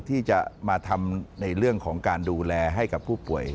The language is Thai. ที่จะมาทำในเรื่องของการดูแลให้กับผู้ป่วย